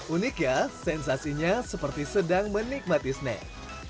unik ya sensasinya seperti sedang menikmati snack